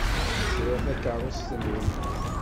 Sriɣ takeṛṛust-nwent.